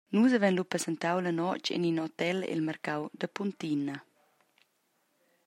Nus havein lu passentau la notg en in hotel el marcau da Puntina.